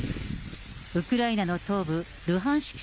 ウクライナの東部ルハンシク